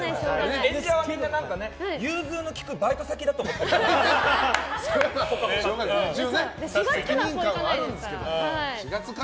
演者はみんな融通の利くバイト先だと思ってるから。